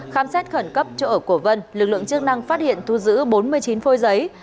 khám xét khẩn cấp chỗ ở của vân lực lượng chức năng phát hiện thu giữ bốn mươi chín phôi giấy